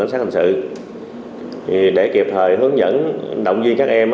cảnh sát thành sự để kịp thời hướng dẫn động viên các em